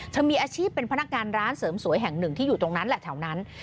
มีอาชีพเป็นพนักงานร้านเสริมสวยแห่งหนึ่งที่อยู่ตรงนั้นแหละแถวนั้น